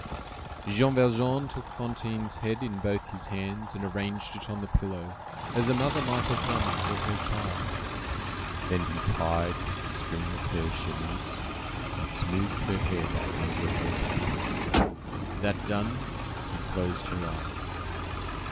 Jean Valjean took Fantine's head in both his hands, and arranged it on the pillow as a mother might have done for her child; then he tied the string of her chemise, and smoothed her hair back under her cap. That done, he closed her eyes.